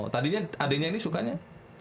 tadinya adeknya ini sukanya